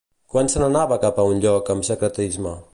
Quan se n'anava cap a un lloc amb secretisme?